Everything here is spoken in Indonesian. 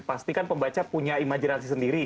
pasti kan pembaca punya imajinasi sendiri